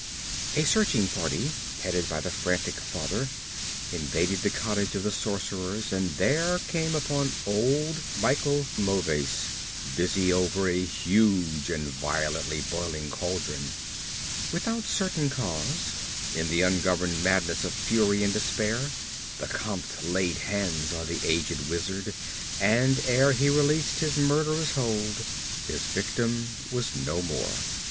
A searching party, headed by the frantic father, invaded the cottage of the sorcerers and there came upon old Michel Mauvais, busy over a huge and violently boiling cauldron. Without certain cause, in the ungoverned madness of fury and despair, the Comte laid hands on the aged wizard, and ere he released his murderous hold his victim was no more.